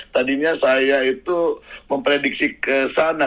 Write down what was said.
tadinya saya itu memprediksi kesana